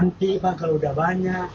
nanti pak kalau udah banyak